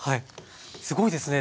すごいですね。